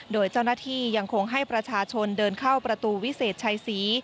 โดยเจ้าหน้าที่ยังคงให้ประชาชนเดินเข้าประตูวิเศษชัยศรี